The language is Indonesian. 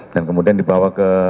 dan kemudian dibawa ke